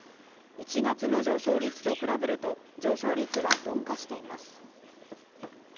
１月の上昇率と比べると上昇率は鈍化しています。